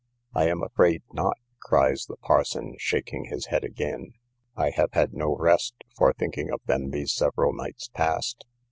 I am afraid not, cries the parson, shaking his head again; I have had no rest for thinking of them these several nights past.